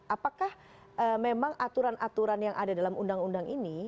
apakah memang aturan aturan yang ada dalam undang undang ini